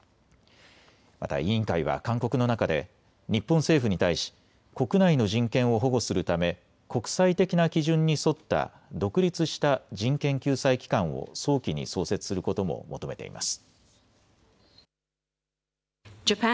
また委員会は勧告の中で日本政府に対し国内の人権を保護するため国際的な基準に沿った独立した人権救済機関を早期に創設することも求めています。